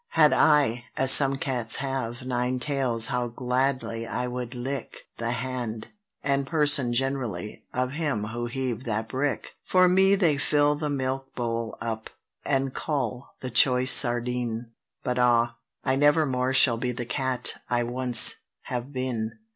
Had I, as some cats have, nine tails, how gladly I would lick The hand, and person generally, of him who heaved that brick! For me they fill the milkbowl up, and cull the choice sardine: But ah! I nevermore shall be the cat I once have been!